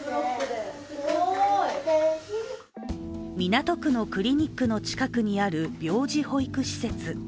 港区のクリニックの近くにある病児保育施設。